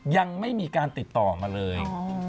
ยังไม่มีการติดต่อมาเลย